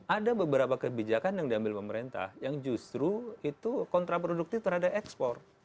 ada beberapa kebijakan yang diambil pemerintah yang justru itu kontraproduktif terhadap ekspor